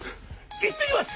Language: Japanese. いってきます！